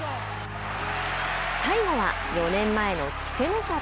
最後は、４年前の稀勢の里。